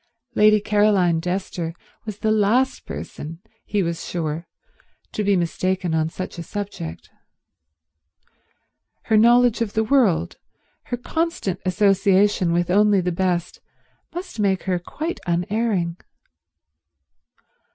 Lady Caroline Dester was the last person, he was sure, to be mistaken on such a subject. Her knowledge of the world, her constant association with only the best, must make her quite unerring.